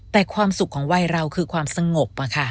แต่ความสุขของวัยเราคือความสงบ